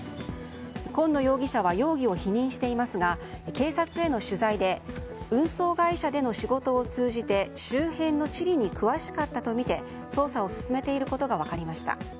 今野容疑者は容疑を否認していますが警察への取材で運送会社での仕事を通じて周辺の地理に詳しかったとみて捜査を進めていることが分かりました。